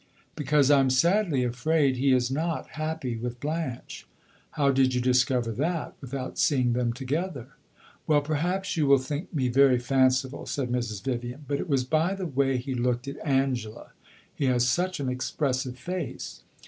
"Because I am sadly afraid he is not happy with Blanche." "How did you discover that without seeing them together?" "Well, perhaps you will think me very fanciful," said Mrs. Vivian; "but it was by the way he looked at Angela. He has such an expressive face."